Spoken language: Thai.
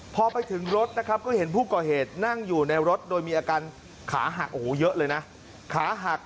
พอไปถึงรถนะครับก็เห็นผู้ก่อเหตุนั่งอยู่ในรถโดยมีอาการขาหัก